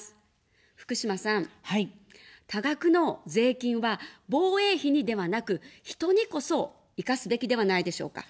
福島さん、多額の税金は防衛費にではなく、人にこそ生かすべきではないでしょうか。